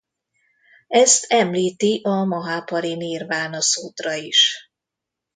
Ezt említi a Maháparinirvána-szútra is.